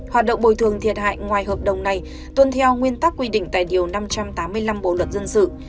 hoạt động bồi thường thiệt hại ngoài hợp đồng này tuân theo nguyên tắc quy định tại điều năm trăm tám mươi năm bộ luật dân sự